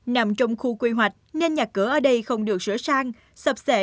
nằm trong khu quy hoạch nên nhà cửa ở đây không được sửa sang sập sệ